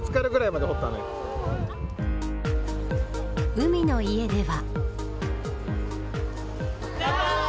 海の家では。